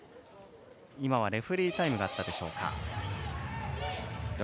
今はレフェリータイムがあったでしょうか。